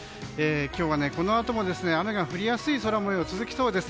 今日はこのあとも雨が降りやすい空模様が続きそうです。